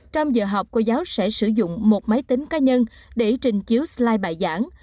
trường sẽ sử dụng một máy tính cá nhân để trình chiếu slide bài giảng